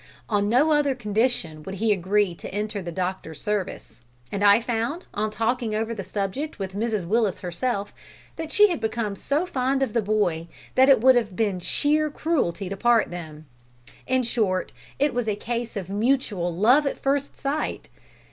On no other condition would he agree to enter the doctor's service; and I found, on talking over the subject with Mrs Willis herself, that she had become so fond of the boy that it would have been sheer cruelty to part them. In short, it was a case of mutual love at first sight!